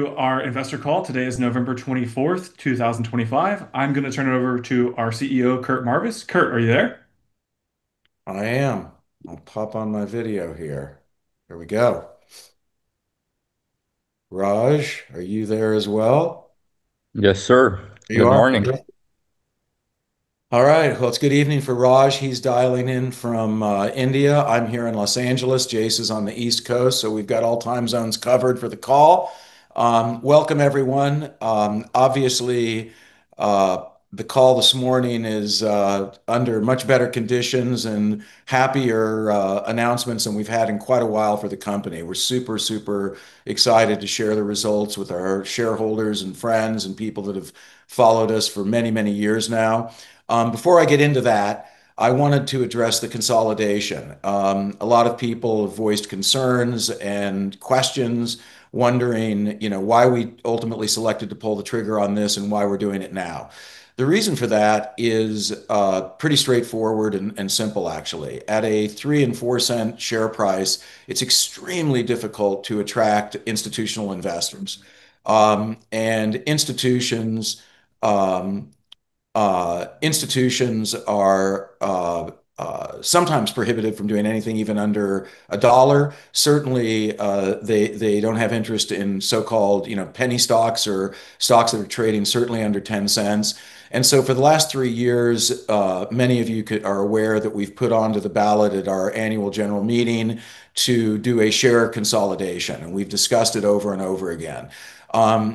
To our investor call. Today is November 24th, 2025. I'm going to turn it over to our CEO, Curt Marvis. Curt, are you there? I am. I'll pop on my video here. Here we go. Raj, are you there as well? Yes, sir. Good morning. All right. It is good evening for Raj. He is dialing in from India. I am here in Los Angeles. Jace is on the East Coast, so we have all time zones covered for the call. Welcome, everyone. Obviously, the call this morning is under much better conditions and happier announcements than we have had in quite a while for the company. We are super, super excited to share the results with our shareholders and friends and people that have followed us for many, many years now. Before I get into that, I wanted to address the consolidation. A lot of people have voiced concerns and questions wondering, you know, why we ultimately selected to pull the trigger on this and why we are doing it now. The reason for that is pretty straightforward and simple, actually. At a $0.03 and $0.04 share price, it is extremely difficult to attract institutional investors. Institutions are sometimes prohibited from doing anything even under a dollar. Certainly, they do not have interest in so-called, you know, penny stocks or stocks that are trading certainly under 10 cents. For the last three years, many of you are aware that we have put onto the ballot at our annual general meeting to do a share consolidation, and we have discussed it over and over again.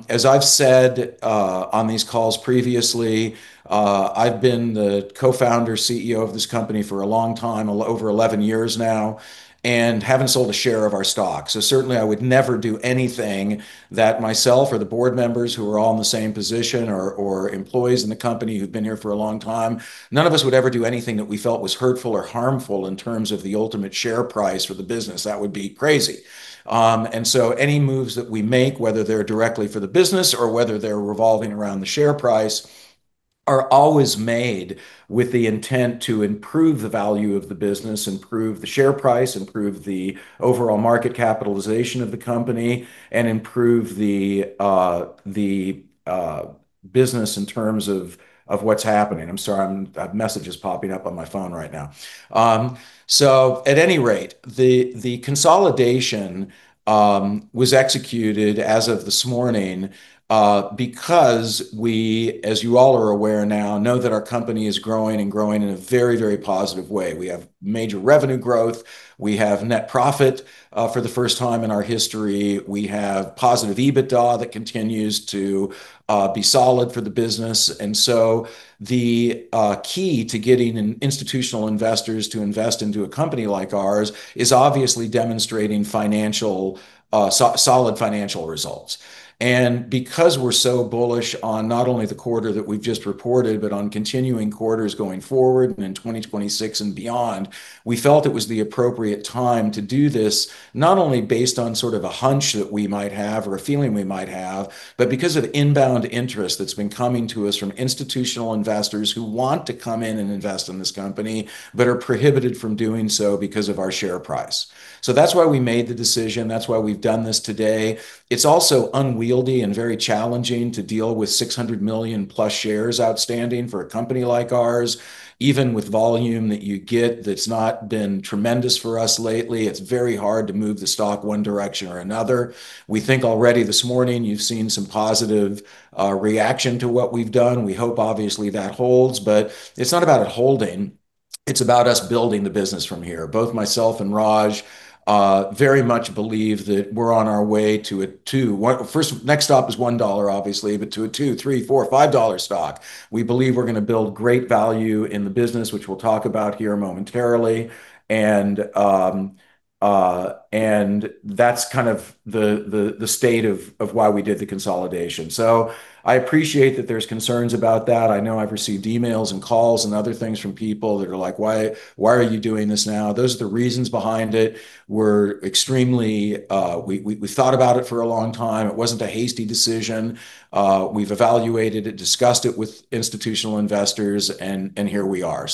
As I have said on these calls previously, I have been the co-founder CEO of this company for a long time, over 11 years now, and have not sold a share of our stock. Certainly, I would never do anything that myself or the board members who are all in the same position or employees in the company who've been here for a long time, none of us would ever do anything that we felt was hurtful or harmful in terms of the ultimate share price for the business. That would be crazy. Any moves that we make, whether they're directly for the business or whether they're revolving around the share price, are always made with the intent to improve the value of the business, improve the share price, improve the overall market capitalization of the company, and improve the business in terms of what's happening. I'm sorry, a message is popping up on my phone right now. At any rate, the consolidation was executed as of this morning because we, as you all are aware now, know that our company is growing and growing in a very, very positive way. We have major revenue growth. We have net profit for the first time in our history. We have positive EBITDA that continues to be solid for the business. The key to getting institutional investors to invest into a company like ours is obviously demonstrating solid financial results. Because we're so bullish on not only the quarter that we've just reported, but on continuing quarters going forward and in 2026 and beyond, we felt it was the appropriate time to do this, not only based on sort of a hunch that we might have or a feeling we might have, but because of inbound interest that's been coming to us from institutional investors who want to come in and invest in this company, but are prohibited from doing so because of our share price. That's why we made the decision. That's why we've done this today. It's also unwieldy and very challenging to deal with 600 million plus shares outstanding for a company like ours, even with volume that you get that's not been tremendous for us lately. It's very hard to move the stock one direction or another. We think already this morning you've seen some positive reaction to what we've done. We hope, obviously, that holds, but it's not about it holding. It's about us building the business from here. Both myself and Raj very much believe that we're on our way to a two. First, next stop is $1, obviously, but to a two, three, four, five dollar stock, we believe we're going to build great value in the business, which we'll talk about here momentarily. That is kind of the state of why we did the consolidation. I appreciate that there's concerns about that. I know I've received emails and calls and other things from people that are like, "Why are you doing this now?" Those are the reasons behind it. We're extremely—we thought about it for a long time. It wasn't a hasty decision. We've evaluated it, discussed it with institutional investors, and here we are.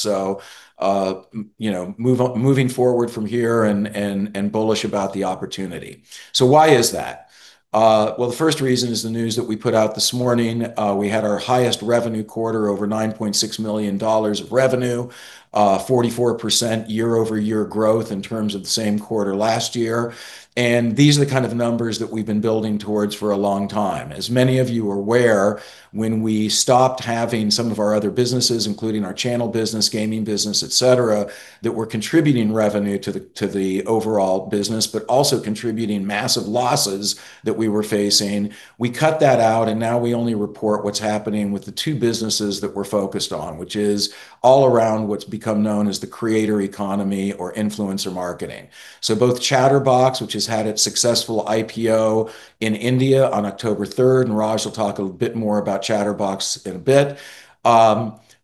You know, moving forward from here and bullish about the opportunity. Why is that? The first reason is the news that we put out this morning. We had our highest revenue quarter, over $9.6 million of revenue, 44% year-over-year growth in terms of the same quarter last year. These are the kind of numbers that we've been building towards for a long time. As many of you are aware, when we stopped having some of our other businesses, including our channel business, gaming business, etc., that were contributing revenue to the overall business, but also contributing massive losses that we were facing, we cut that out, and now we only report what's happening with the two businesses that we're focused on, which is all around what's become known as the creator economy or influencer marketing. Both Chatterbox, which has had its successful IPO in India on October three, and Raj will talk a bit more about Chatterbox in a bit.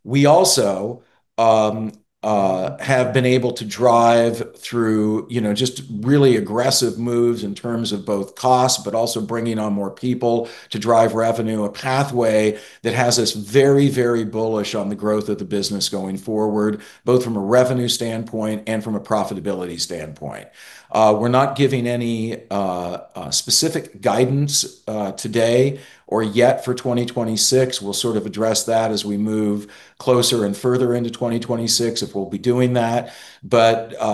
We also have been able to drive through, you know, just really aggressive moves in terms of both costs, but also bringing on more people to drive revenue, a pathway that has us very, very bullish on the growth of the business going forward, both from a revenue standpoint and from a profitability standpoint. We are not giving any specific guidance today or yet for 2026. We will sort of address that as we move closer and further into 2026 if we will be doing that.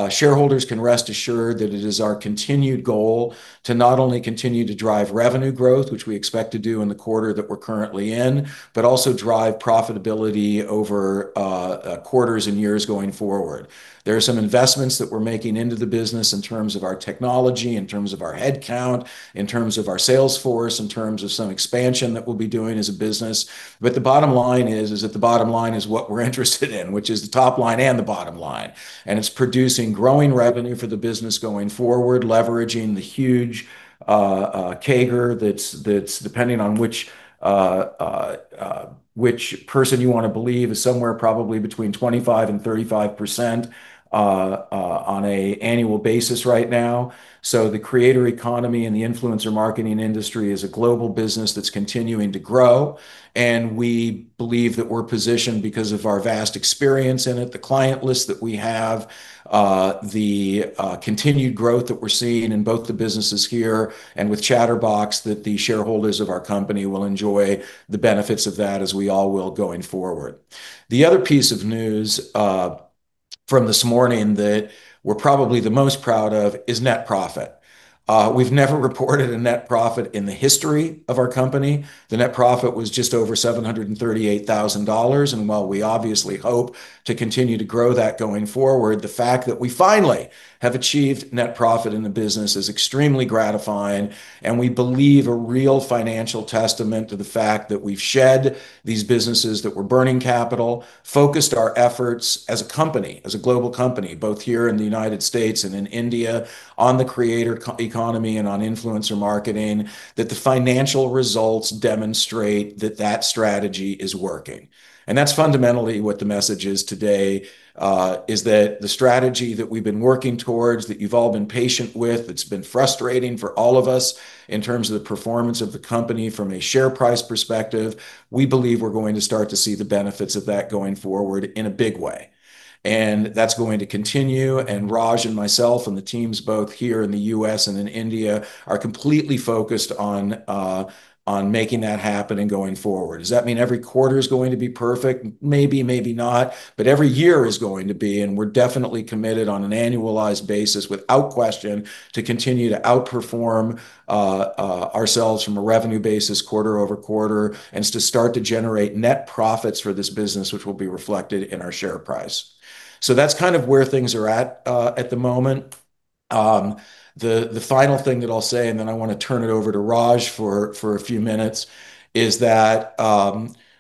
Shareholders can rest assured that it is our continued goal to not only continue to drive revenue growth, which we expect to do in the quarter that we are currently in, but also drive profitability over quarters and years going forward. There are some investments that we're making into the business in terms of our technology, in terms of our headcount, in terms of our sales force, in terms of some expansion that we'll be doing as a business. The bottom line is that the bottom line is what we're interested in, which is the top line and the bottom line. It is producing growing revenue for the business going forward, leveraging the huge CAGR that's, depending on which person you want to believe, is somewhere probably between 25%-35% on an annual basis right now. The creator economy and the influencer marketing industry is a global business that's continuing to grow. We believe that we're positioned because of our vast experience in it, the client list that we have, the continued growth that we're seeing in both the businesses here and with Chatterbox, that the shareholders of our company will enjoy the benefits of that, as we all will going forward. The other piece of news from this morning that we're probably the most proud of is net profit. We've never reported a net profit in the history of our company. The net profit was just over $738,000. While we obviously hope to continue to grow that going forward, the fact that we finally have achieved net profit in the business is extremely gratifying. We believe a real financial testament to the fact that we've shed these businesses that were burning capital, focused our efforts as a company, as a global company, both here in the U.S. and in India, on the creator economy and on influencer marketing, that the financial results demonstrate that that strategy is working. That is fundamentally what the message is today, that the strategy that we've been working towards, that you've all been patient with, that's been frustrating for all of us in terms of the performance of the company from a share price perspective, we believe we're going to start to see the benefits of that going forward in a big way. That is going to continue. Raj and myself and the teams both here in the U.S. and in India are completely focused on making that happen and going forward. Does that mean every quarter is going to be perfect? Maybe, maybe not, but every year is going to be. We are definitely committed on an annualized basis, without question, to continue to outperform ourselves from a revenue basis quarter over quarter and to start to generate net profits for this business, which will be reflected in our share price. That is kind of where things are at at the moment. The final thing that I'll say, and then I want to turn it over to Raj for a few minutes, is that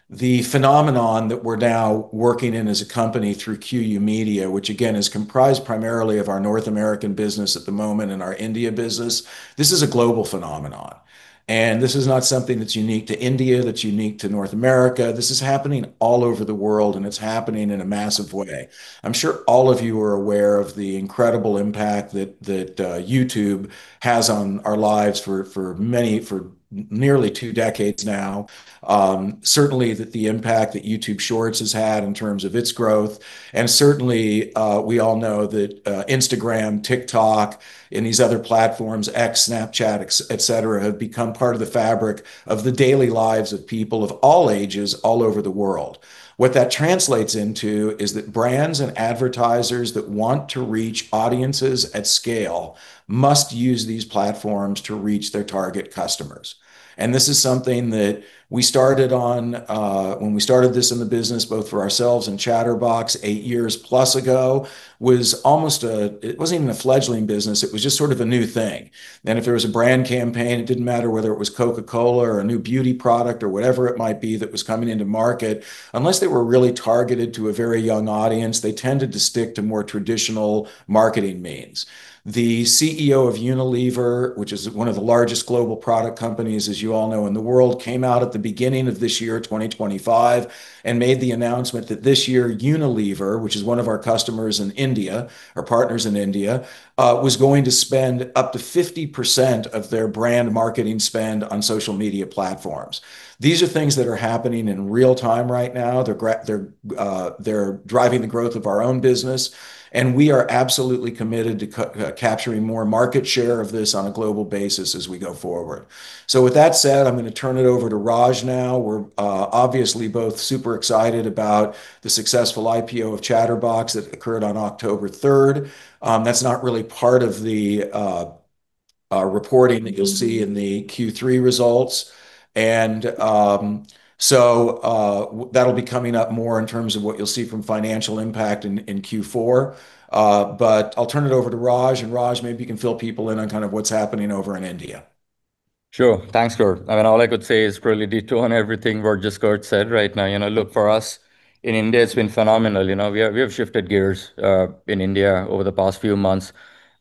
the phenomenon that we're now working in as a company through QYOU Media, which again is comprised primarily of our North American business at the moment and our India business, this is a global phenomenon. This is not something that's unique to India, that's unique to North America. This is happening all over the world, and it's happening in a massive way. I'm sure all of you are aware of the incredible impact that YouTube has on our lives for many, for nearly two decades now. Certainly, the impact that YouTube Shorts has had in terms of its growth. Certainly, we all know that Instagram, TikTok, and these other platforms, X, Snapchat, etc., have become part of the fabric of the daily lives of people of all ages all over the world. What that translates into is that brands and advertisers that want to reach audiences at scale must use these platforms to reach their target customers. This is something that we started on when we started this in the business, both for ourselves and Chatterbox eight years plus ago, was almost a—it wasn't even a fledgling business. It was just sort of a new thing. If there was a brand campaign, it did not matter whether it was Coca-Cola or a new beauty product or whatever it might be that was coming into market. Unless they were really targeted to a very young audience, they tended to stick to more traditional marketing means. The CEO of Unilever, which is one of the largest global product companies, as you all know, in the world, came out at the beginning of this year, 2025, and made the announcement that this year, Unilever, which is one of our customers in India, our partners in India, was going to spend up to 50% of their brand marketing spend on social media platforms. These are things that are happening in real time right now. They are driving the growth of our own business. We are absolutely committed to capturing more market share of this on a global basis as we go forward. With that said, I'm going to turn it over to Raj now. We're obviously both super excited about the successful IPO of Chatterbox that occurred on October third. That's not really part of the reporting that you'll see in the Q3 results. That will be coming up more in terms of what you'll see from financial impact in Q4. I'll turn it over to Raj. Raj, maybe you can fill people in on kind of what's happening over in India. Sure. Thanks, Curt. I mean, all I could say is really detour on everything what just Curt said right now. You know, look for us in India, it's been phenomenal. You know, we have shifted gears in India over the past few months.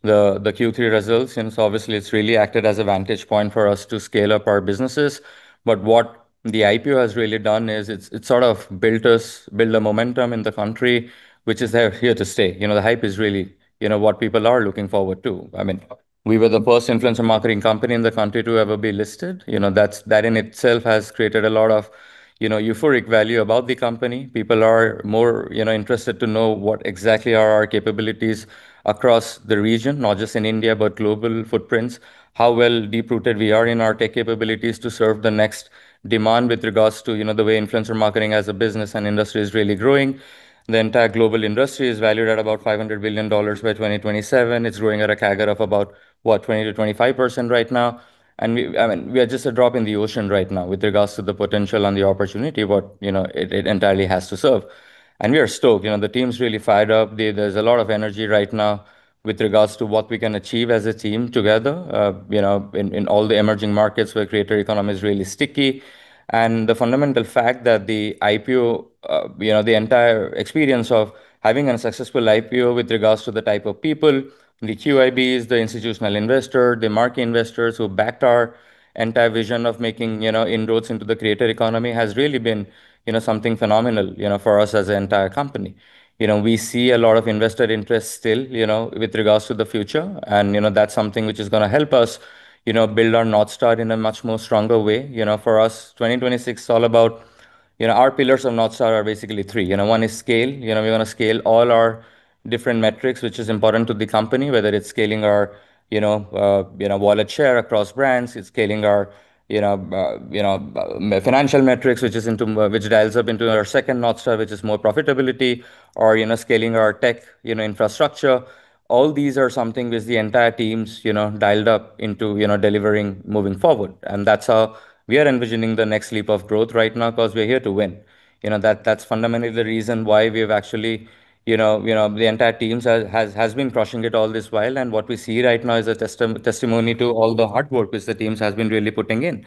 The Q3 results, obviously, it's really acted as a vantage point for us to scale up our businesses. What the IPO has really done is it's sort of built us, built a momentum in the country, which is here to stay. You know, the hype is really, you know, what people are looking forward to. I mean, we were the first influencer marketing company in the country to ever be listed. You know, that in itself has created a lot of, you know, euphoric value about the company. People are more, you know, interested to know what exactly are our capabilities across the region, not just in India, but global footprints, how well deep-rooted we are in our tech capabilities to serve the next demand with regards to, you know, the way influencer marketing as a business and industry is really growing. The entire global industry is valued at about $500 billion by 2027. It's growing at a CAGR of about, what, 20-25% right now. I mean, we are just a drop in the ocean right now with regards to the potential and the opportunity what, you know, it entirely has to serve. We are stoked. You know, the team's really fired up. There's a lot of energy right now with regards to what we can achieve as a team together, you know, in all the emerging markets where creator economy is really sticky. The fundamental fact that the IPO, you know, the entire experience of having a successful IPO with regards to the type of people, the QIBs, the institutional investors, the market investors who backed our entire vision of making, you know, inroads into the creator economy has really been, you know, something phenomenal, you know, for us as an entire company. You know, we see a lot of investor interest still, you know, with regards to the future. You know, that's something which is going to help us, you know, build our North star in a much more stronger way. You know, for us, 2026 is all about, you know, our pillars of North star are basically three. You know, one is scale. You know, we want to scale all our different metrics, which is important to the company, whether it's scaling our, you know, wallet share across brands, it's scaling our, you know, financial metrics, which dials up into our second North star, which is more profitability, or, you know, scaling our tech, you know, infrastructure. All these are something which the entire team's, you know, dialed up into, you know, delivering moving forward. That's how we are envisioning the next leap of growth right now because we're here to win. You know, that's fundamentally the reason why we've actually, you know, the entire team has been crushing it all this while. What we see right now is a testimony to all the hard work which the teams have been really putting in.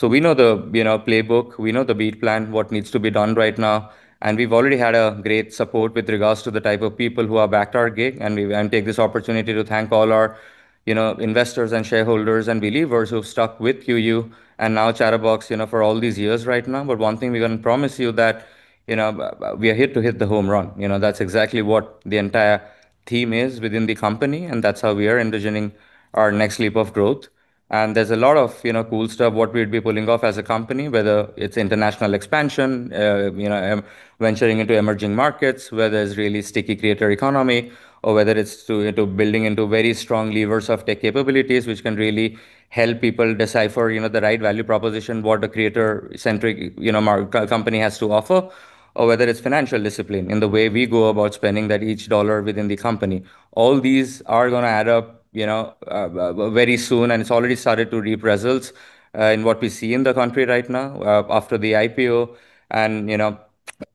We know the, you know, playbook, we know the B plan, what needs to be done right now. We have already had great support with regards to the type of people who have backed our gig. We take this opportunity to thank all our, you know, investors and shareholders and believers who have stuck with QYOU and now Chatterbox, you know, for all these years right now. One thing we can promise you is that, you know, we are here to hit the home run. You know, that is exactly what the entire team is within the company. That is how we are envisioning our next leap of growth. There is a lot of, you know, cool stuff, what we'd be pulling off as a company, whether it's international expansion, you know, venturing into emerging markets, whether it's really sticky creator economy, or whether it's building into very strong levers of tech capabilities, which can really help people decipher, you know, the right value proposition, what a creator-centric, you know, company has to offer, or whether it's financial discipline in the way we go about spending that each dollar within the company. All these are going to add up, you know, very soon. It has already started to reap results in what we see in the country right now after the IPO. You know,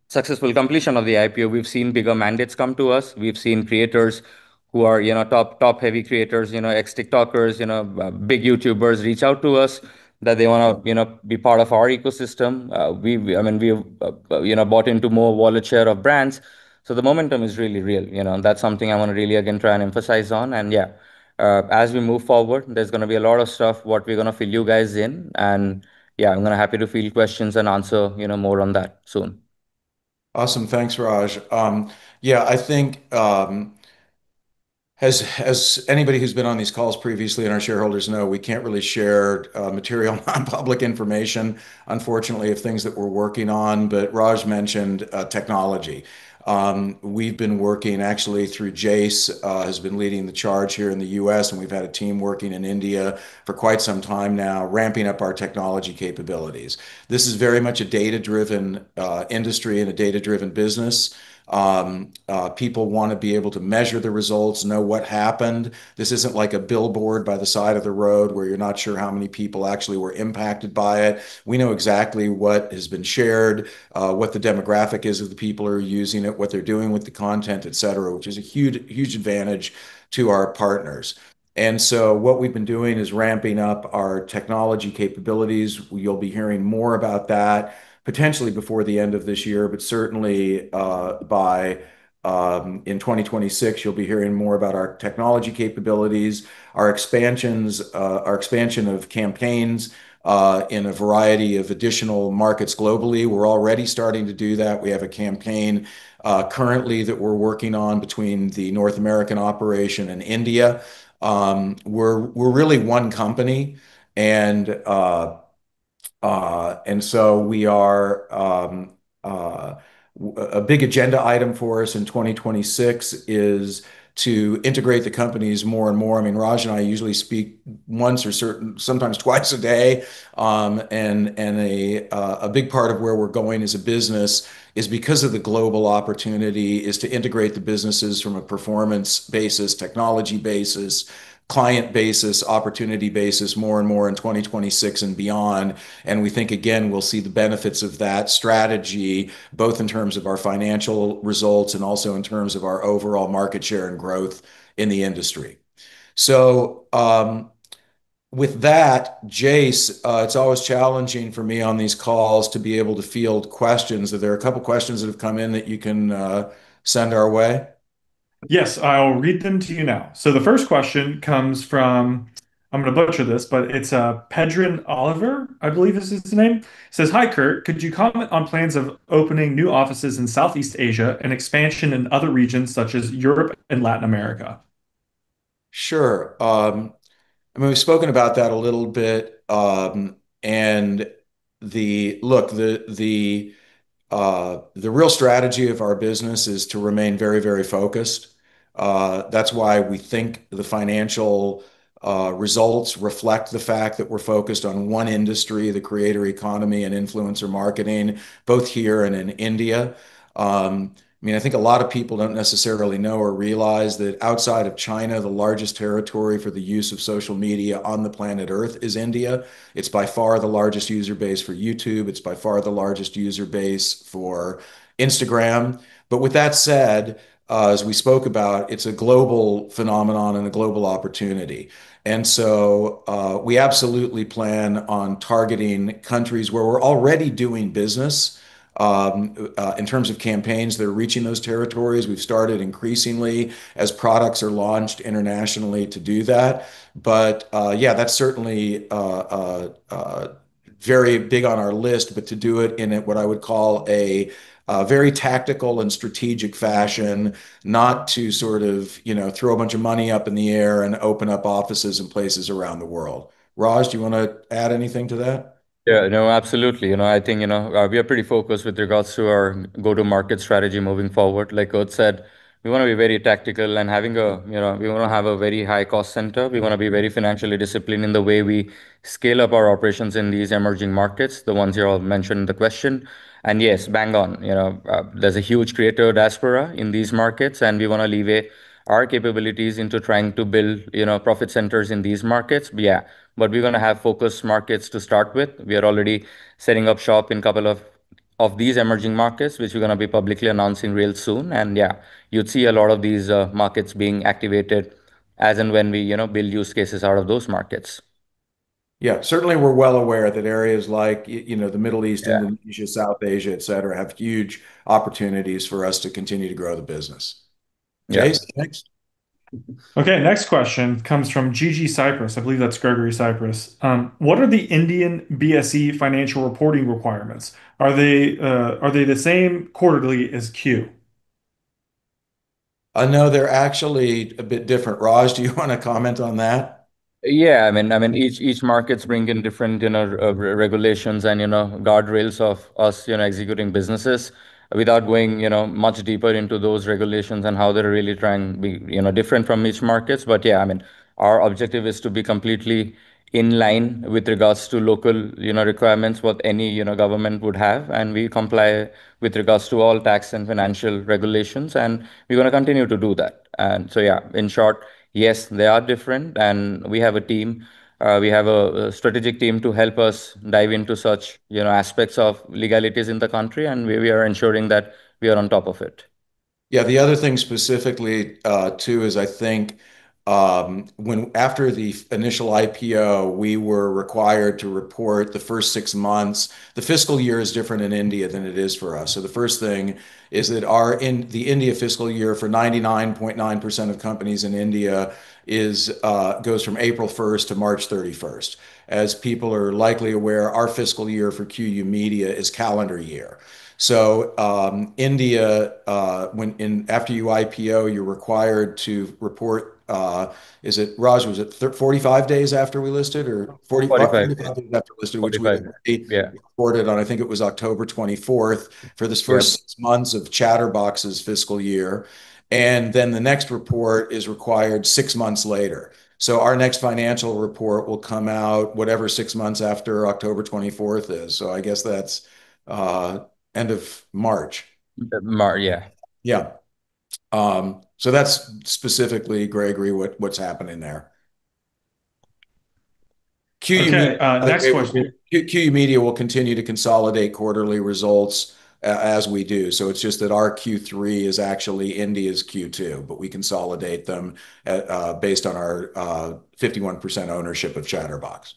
successful completion of the IPO, we've seen bigger mandates come to us. We've seen creators who are, you know, top, top heavy creators, you know, ex-TikTokers, you know, big YouTubers reach out to us that they want to, you know, be part of our ecosystem. We, I mean, we've, you know, bought into more wallet share of brands. The momentum is really real, you know, and that's something I want to really again try and emphasize on. Yeah, as we move forward, there's going to be a lot of stuff what we're going to fill you guys in. Yeah, I'm going to happy to field questions and answer, you know, more on that soon. Awesome. Thanks, Raj. I think as anybody who's been on these calls previously and our shareholders know, we can't really share material non-public information, unfortunately, of things that we're working on. Raj mentioned technology. We've been working actually through Jace, has been leading the charge here in the U.S. We have had a team working in India for quite some time now, ramping up our technology capabilities. This is very much a data-driven industry and a data-driven business. People want to be able to measure the results, know what happened. This is not like a billboard by the side of the road where you're not sure how many people actually were impacted by it. We know exactly what has been shared, what the demographic is of the people who are using it, what they're doing with the content, etc., which is a huge, huge advantage to our partners. What we've been doing is ramping up our technology capabilities. You'll be hearing more about that potentially before the end of this year, but certainly by in 2026, you'll be hearing more about our technology capabilities, our expansions, our expansion of campaigns in a variety of additional markets globally. We're already starting to do that. We have a campaign currently that we're working on between the North American operation and India. We're really one company. A big agenda item for us in 2026 is to integrate the companies more and more. I mean, Raj and I usually speak once or sometimes twice a day. A big part of where we're going as a business is because of the global opportunity is to integrate the businesses from a performance basis, technology basis, client basis, opportunity basis more and more in 2026 and beyond. We think, again, we'll see the benefits of that strategy, both in terms of our financial results and also in terms of our overall market share and growth in the industry. With that, Jace, it's always challenging for me on these calls to be able to field questions. Are there a couple of questions that have come in that you can send our way? Yes, I'll read them to you now. The first question comes from, I'm going to butcher this, but it's Pedran Oliver, I believe this is his name. Says, "Hi Curt, could you comment on plans of opening new offices in Southeast Asia and expansion in other regions such as Europe and Latin America?" Sure. I mean, we've spoken about that a little bit. The real strategy of our business is to remain very, very focused. That's why we think the financial results reflect the fact that we're focused on one industry, the creator economy and influencer marketing, both here and in India. I mean, I think a lot of people don't necessarily know or realize that outside of China, the largest territory for the use of social media on the planet Earth is India. It's by far the largest user base for YouTube. It's by far the largest user base for Instagram. With that said, as we spoke about, it's a global phenomenon and a global opportunity. We absolutely plan on targeting countries where we're already doing business in terms of campaigns that are reaching those territories. We've started increasingly as products are launched internationally to do that. Yeah, that's certainly very big on our list, to do it in what I would call a very tactical and strategic fashion, not to sort of, you know, throw a bunch of money up in the air and open up offices in places around the world. Raj, do you want to add anything to that? Yeah, no, absolutely. You know, I think, you know, we are pretty focused with regards to our go-to-market strategy moving forward. Like Curt said, we want to be very tactical and having a, you know, we want to have a very high-cost center. We want to be very financially disciplined in the way we scale up our operations in these emerging markets, the ones you all mentioned in the question. Yes, bang on. You know, there's a huge creator diaspora in these markets, and we want to leverage our capabilities into trying to build, you know, profit centers in these markets. Yeah, we're going to have focused markets to start with. We are already setting up shop in a couple of these emerging markets, which we're going to be publicly announcing real soon. Yeah, you'd see a lot of these markets being activated as and when we, you know, build use cases out of those markets. Yeah, certainly we're well aware that areas like, you know, the Middle East, Indonesia, South Asia, etc., have huge opportunities for us to continue to grow the business. Okay, next question comes from GG Cyprus. I believe that's Gregory Cyprus. What are the Indian BSE financial reporting requirements? Are they the same quarterly as Q? I know they're actually a bit different. Yeah, I mean, each market's bringing different regulations and, you know, guardrails of us, you know, executing businesses without going, you know, much deeper into those regulations and how they're really trying to be, you know, different from each market. Yeah, I mean, our objective is to be completely in line with regards to local, you know, requirements what any, you know, government would have. We comply with regards to all tax and financial regulations. We're going to continue to do that. Yeah, in short, yes, they are different. We have a team, we have a strategic team to help us dive into such, you know, aspects of legalities in the country. We are ensuring that we are on top of it. Yeah, the other thing specifically too is I think when after the initial IPO, we were required to report the first six months. The fiscal year is different in India than it is for us. The first thing is that in the India fiscal year for 99.9% of companies in India goes from April first to March 31st. As people are likely aware, our fiscal year for QYOU Media is calendar year. In India, when after you IPO, you're required to report, is it, Raj, was it 45 days after we listed or 45 days after listed, which we reported on, I think it was October 24th for the first six months of Chatterbox's fiscal year. The next report is required six months later. Our next financial report will come out whatever six months after October 24th is. I guess that's end of March. March, yeah. Yeah. That's specifically, Gregory, what's happening there. QYOU Media, we'll continue to consolidate quarterly results as we do. It's just that our Q3 is actually India's Q2, but we consolidate them based on our 51% ownership of Chatterbox.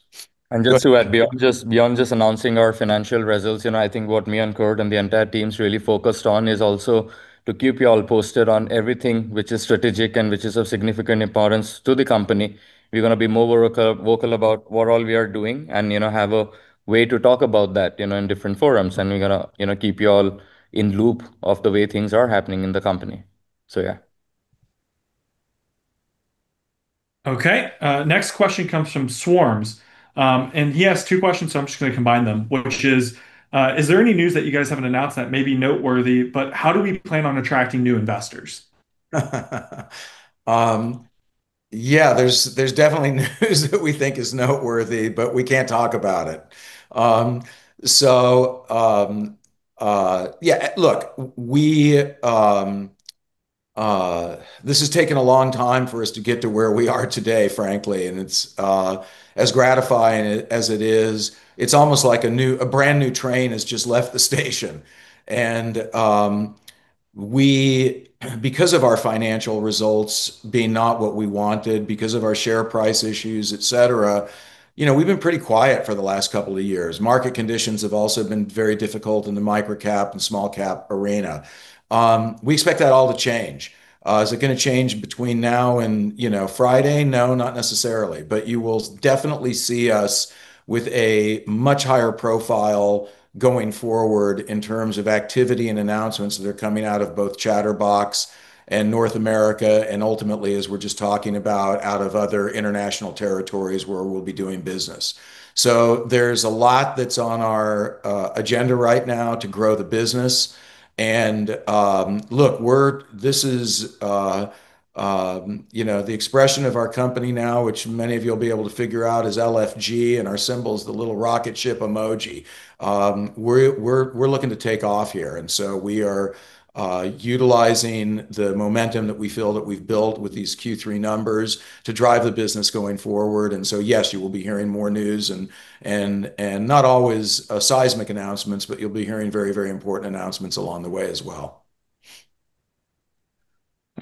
Just to add, beyond just announcing our financial results, you know, I think what me and Curt and the entire team's really focused on is also to keep you all posted on everything which is strategic and which is of significant importance to the company. We're going to be more vocal about what all we are doing and, you know, have a way to talk about that, you know, in different forums. We're going to, you know, keep you all in loop of the way things are happening in the company. Yeah. Okay, next question comes from Swarms. Yes, two questions. I'm just going to combine them, which is, is there any news that you guys haven't announced that may be noteworthy, but how do we plan on attracting new investors? Yeah, there's definitely news that we think is noteworthy, but we can't talk about it. Look, this has taken a long time for us to get to where we are today, frankly. As gratifying as it is, it's almost like a brand new train has just left the station. We, because of our financial results being not what we wanted, because of our share price issues, etc., we've been pretty quiet for the last couple of years. Market conditions have also been very difficult in the micro-cap and small-cap arena. We expect that all to change. Is it going to change between now and, you know, Friday? No, not necessarily. You will definitely see us with a much higher profile going forward in terms of activity and announcements that are coming out of both Chatterbox and North America. Ultimately, as we are just talking about, out of other international territories where we will be doing business. There is a lot that is on our agenda right now to grow the business. Look, this is, you know, the expression of our company now, which many of you will be able to figure out is LFG. Our symbol is the little rocket ship emoji. We are looking to take off here. We are utilizing the momentum that we feel that we have built with these Q3 numbers to drive the business going forward. Yes, you will be hearing more news, and not always seismic announcements, but you'll be hearing very, very important announcements along the way as well.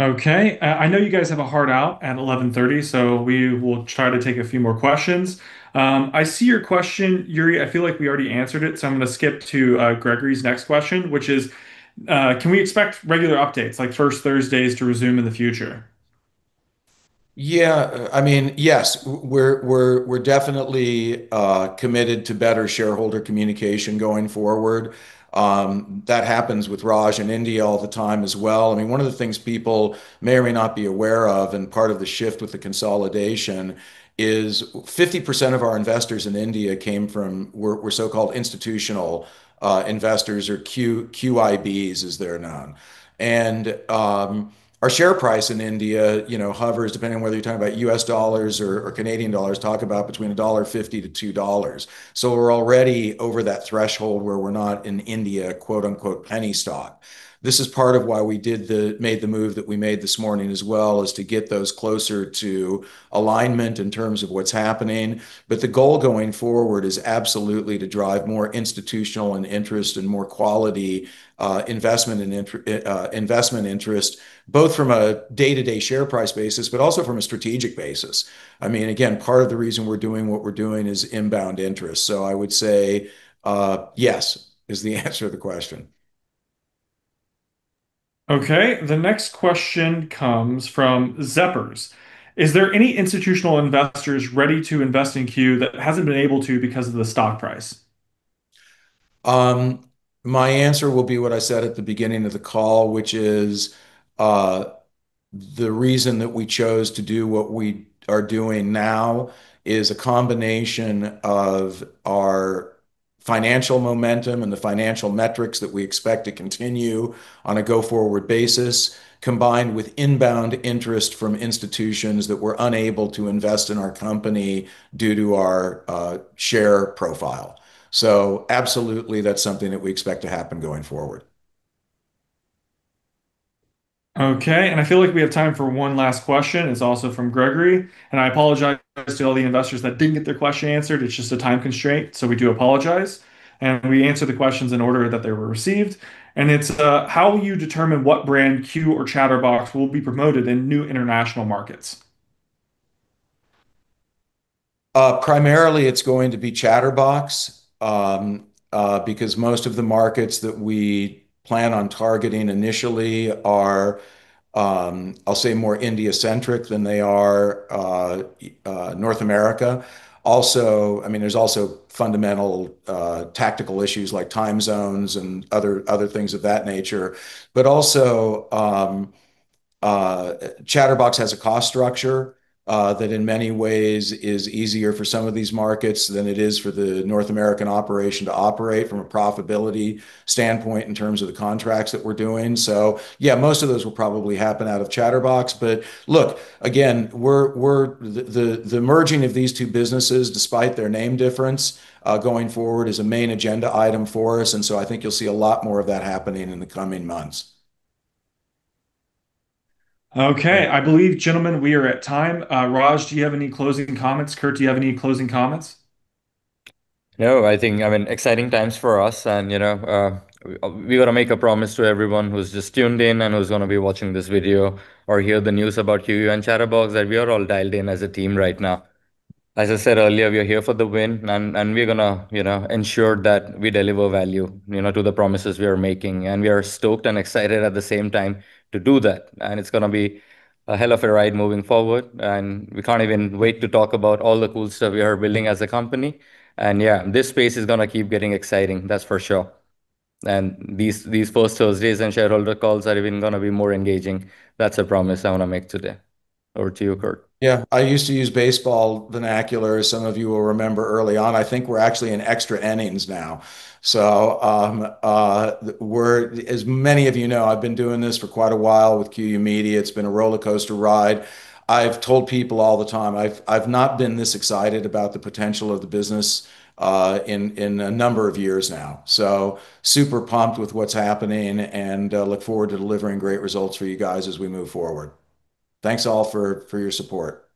Okay, I know you guys have a hard out at 11:30, so we will try to take a few more questions. I see your question, Yuri. I feel like we already answered it, so I'm going to skip to Gregory's next question, which is, can we expect regular updates like first Thursdays to resume in the future? Yeah, I mean, yes, we're definitely committed to better shareholder communication going forward. That happens with Raj in India all the time as well. I mean, one of the things people may or may not be aware of and part of the shift with the consolidation is 50% of our investors in India came from, were so-called institutional investors or QIBs, as they're known. Our share price in India, you know, hovers, depending on whether you're talking about U.S. dollars or Canadian Dollars, between $1.50-$2. We are already over that threshold where we are not in India, quote unquote, penny stock. This is part of why we did the, made the move that we made this morning as well as to get those closer to alignment in terms of what's happening. The goal going forward is absolutely to drive more institutional and interest and more quality investment and investment interest, both from a day-to-day share price basis, but also from a strategic basis. I mean, again, part of the reason we're doing what we're doing is inbound interest. I would say yes is the answer to the question. Okay, the next question comes from Zephyrs. Is there any institutional investors ready to invest in Q that hasn't been able to because of the stock price? My answer will be what I said at the beginning of the call, which is the reason that we chose to do what we are doing now is a combination of our financial momentum and the financial metrics that we expect to continue on a go-forward basis, combined with inbound interest from institutions that were unable to invest in our company due to our share profile. Absolutely, that's something that we expect to happen going forward. Okay, I feel like we have time for one last question. It's also from Gregory. I apologize to all the investors that did not get their question answered. It is just a time constraint. We do apologize. We answer the questions in order that they were received. The question is, how will you determine what brand Q or Chatterbox will be promoted in new international markets? Primarily, it is going to be Chatterbox because most of the markets that we plan on targeting initially are, I will say, more India-centric than they are North America. Also, there are fundamental tactical issues like time zones and other things of that nature. Chatterbox has a cost structure that in many ways is easier for some of these markets than it is for the North American operation to operate from a profitability standpoint in terms of the contracts that we are doing. Most of those will probably happen out of Chatterbox. Look, again, the merging of these two businesses, despite their name difference, going forward is a main agenda item for us. I think you'll see a lot more of that happening in the coming months. Okay, I believe, gentlemen, we are at time. Raj, do you have any closing comments? Curt, do you have any closing comments? No, I think, I mean, exciting times for us. You know, we want to make a promise to everyone who's just tuned in and who's going to be watching this video or hear the news about QYOU and Chatterbox that we are all dialed in as a team right now. As I said earlier, we are here for the win. We're going to, you know, ensure that we deliver value, you know, to the promises we are making. We are stoked and excited at the same time to do that. It is going to be a hell of a ride moving forward. We cannot even wait to talk about all the cool stuff we are building as a company. Yeah, this space is going to keep getting exciting, that is for sure. These first Thursdays and shareholder calls are even going to be more engaging. That is a promise I want to make today. Over to you, Curt. I used to use baseball vernacular, as some of you will remember early on. I think we are actually in extra innings now. As many of you know, I have been doing this for quite a while with QYOU Media. It has been a roller coaster ride. I've told people all the time, I've not been this excited about the potential of the business in a number of years now. Super pumped with what's happening and look forward to delivering great results for you guys as we move forward. Thanks all for your support.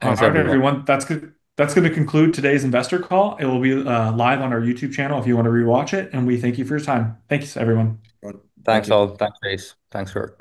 Thanks everyone. That's going to conclude today's investor call. It will be live on our YouTube channel if you want to rewatch it. We thank you for your time. Thank you, everyone. Thanks all. Thanks, Grace. Thanks, Curt.